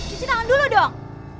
cuci tangan dulu dong